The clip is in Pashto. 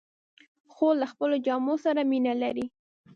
خور له خپلو جامو سره مینه لري.